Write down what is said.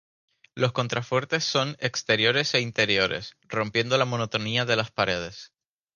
Los contrafuertes son exteriores e interiores, rompiendo la monotonía de las paredes.